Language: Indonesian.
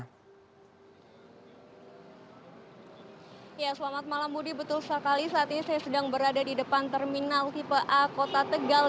ya selamat malam budi betul sekali saat ini saya sedang berada di depan terminal tipe a kota tegal